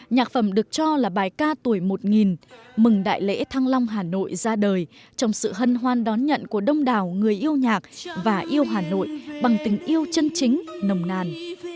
nhạc phẩm được cho là bài ca tuổi một mừng đại lễ thăng long hà nội ra đời trong sự hân hoan đón nhận của đông đảo người yêu nhạc và yêu hà nội bằng tình yêu chân chính nồng nàn